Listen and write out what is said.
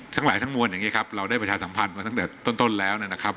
ทั้งหลายทั้งมวลอย่างนี้ครับเราได้ประชาสัมพันธ์มาตั้งแต่ต้นแล้วนะครับ